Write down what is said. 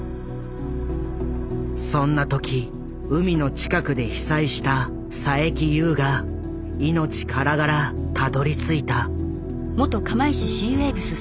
そんな時海の近くで被災した佐伯悠が命からがらたどりついた。